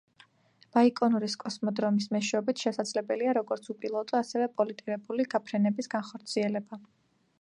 ბაიკონურის კოსმოდრომის მეშვეობით შესაძლებელია როგორც უპილოტო, ასევე პილოტირებული გაფრენების განხორციელება.